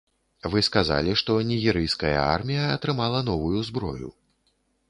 Вы сказалі, што нігерыйская армія атрымала новую зброю.